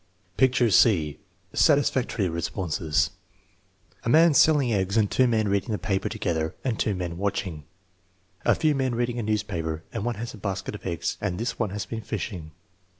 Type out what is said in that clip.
3 * Picture (c): satisfactory responses "A man selling eggs and two men reading the paper together and two men watching." "A few men reading a newspaper and one has a basket of eggs and this one has been fishing."